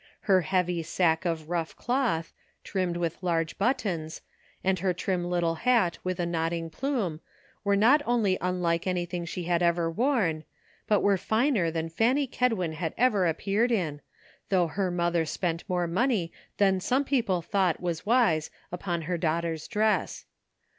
Her heavy sack of rough cloth, trimmed with large buttons, and her trim little hat with a nodding plume were not only unlike anything she had ever worn, but were finer than Fanny Kedwin had ever appeared in, though her mother spent more money than some people thought was wise upon her daughter's dress.